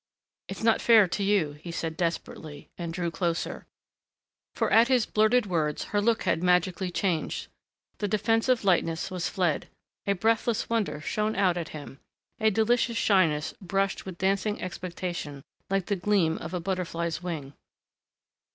"It's not fair to you," he said desperately and drew closer. For at his blurted words her look had magically changed. The defensive lightness was fled. A breathless wonder shone out at him ... a delicious shyness brushed with dancing expectation like the gleam of a butterfly's wing.